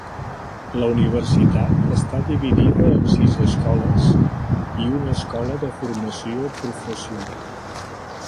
La universitat està dividida en sis escoles i una escola de formació professional.